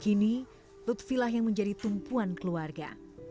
kini lutfi lah yang menjadi tumpuan keluarga